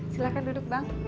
silahkan duduk bang